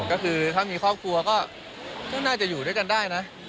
ก็คือถ้ามีครอบครัวก็น่าจะอยู่ด้วยกันได้นะ